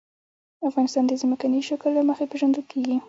افغانستان د ځمکنی شکل له مخې پېژندل کېږي.